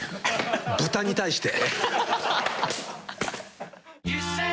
豚に対して。